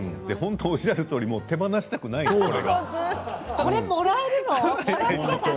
本当におっしゃるとおり手放したくない、これ。